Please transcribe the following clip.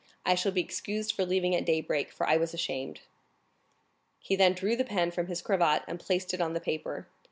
I shall be excused for leaving at daybreak, for I was ashamed." He then drew the pin from his cravat and placed it on the paper.